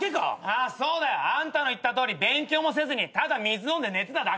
ああそうだよ。あんたの言ったとおり勉強もせずにただ水飲んで寝てただけだよ。